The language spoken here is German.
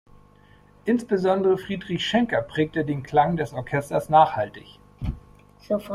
Insbesondere Friedrich Schenker prägte den Klang des Orchesters nachhaltig.